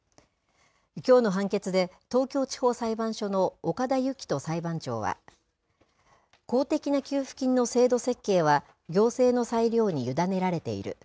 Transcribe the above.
きょうの判決で、東京地方裁判所の岡田幸人裁判長は、公的な給付金の制度設計は行政の裁量にゆだねられている。